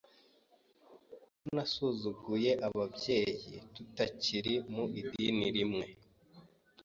ko nasuzuguye ababyeyi tutakiri mu idini rimwe